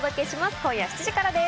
今夜７時からです。